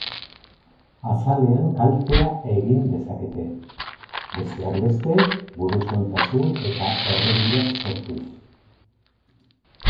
Azalean kaltea egin dezakete, besteak beste burusoiltasun eta erredurak sortuz.